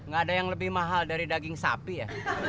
gak ada yang lebih mahal dari daging sapi ya